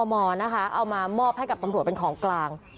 มนะคะเอามามอบให้กับตำรวจเป็นของกลาง